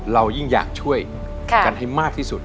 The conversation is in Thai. เรายิ่งอยากช่วยกันให้มากที่สุด